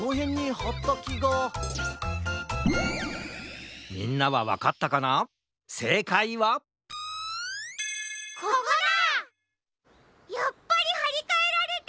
やっぱりはりかえられてる！